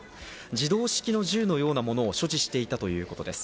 自動式の銃のようなものを所持していたということです。